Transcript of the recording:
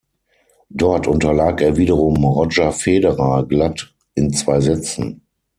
Dort unterlag er wiederum Roger Federer glatt in zwei Sätzen.